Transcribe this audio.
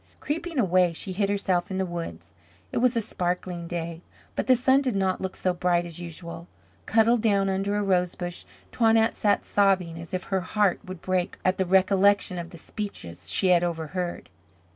Creeping away, she hid herself in the woods. It was a sparkling day, but the sun did not look so bright as usual. Cuddled down under a rosebush, Toinette sat sobbing as if her heart would break at the recollection of the speeches she had overheard.